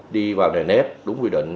đi vào nền nếp đúng quy định